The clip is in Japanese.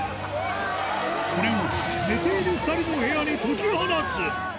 これを寝ている２人の部屋に解き放つ。